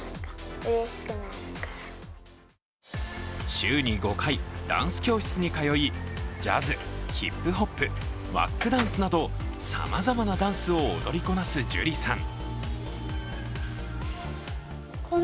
週に５回、ダンス教室に通いジャズ、ヒップホップ、ワックダンスなどさまざまなダンスを踊りこなす樹李さん。